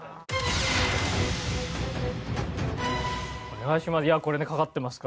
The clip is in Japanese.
お願いします。